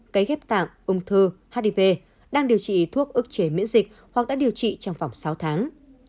cấy ghép tạng ung thư hiv đang điều trị thuốc ức chế miễn dịch hoặc đã điều trị trong vòng sáu tháng